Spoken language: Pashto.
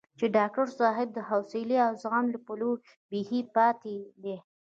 چې ډاکټر صاحب د حوصلې او زغم له پلوه بېخي پاتې دی.